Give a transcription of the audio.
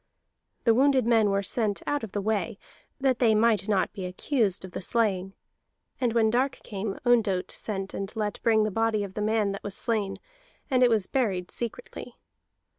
The wounded men were sent out of the way, that they might not be accused of the slaying; and when dark came Ondott sent and let bring the body of the man that was slain, and it was buried secretly.